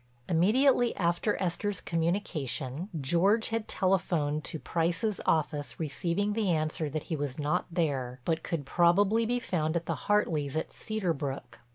Immediately after Esther's communication, George had telephoned to Price's office receiving the answer that he was not there but could probably be found at the Hartleys' at Cedar Brook.